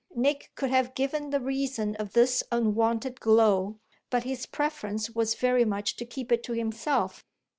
Nick could have given the reason of this unwonted glow, but his preference was very much to keep it to himself.